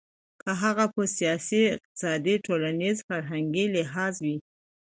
که هغه په سياسي، اقتصادي ،ټولنيز، فرهنګي لحاظ وي .